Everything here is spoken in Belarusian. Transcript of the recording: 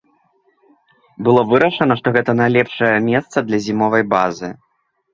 Было вырашана, што гэта найлепшае месца для зімовай базы.